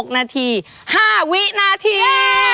๖นาที๕วินาที